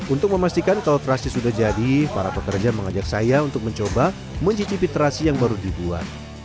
untuk memastikan kalau terasi sudah jadi para pekerja mengajak saya untuk mencoba mencicipi terasi yang baru dibuat